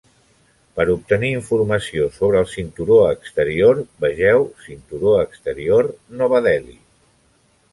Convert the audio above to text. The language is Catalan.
Per obtenir informació sobre el cinturó exterior, vegeu Cinturó exterior, Nova Delhi.